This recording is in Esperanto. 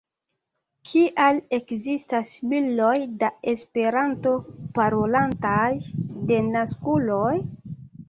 Kial ekzistas miloj da Esperanto-parolantaj denaskuloj?